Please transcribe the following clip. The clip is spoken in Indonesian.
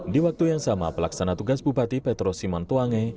di waktu yang sama pelaksana tugas bupati petrus simon tuange